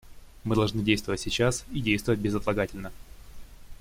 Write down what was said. Мы должны действовать сейчас и действовать безотлагательно.